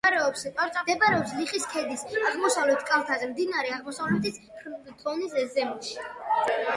მდებარეობს ლიხის ქედის აღმოსავლეთ კალთაზე, მდინარე აღმოსავლეთის ფრონის ზემოთში.